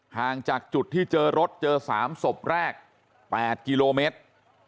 ห่างจากจุดที่เจอรถเจอ๓ศพแรก๘กิโลเมตร